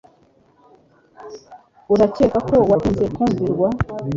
Urakeka ko watinze kumvirwa